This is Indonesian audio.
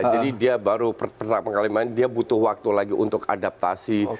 jadi dia baru pertandingan pengalaman dia butuh waktu lagi untuk adaptasi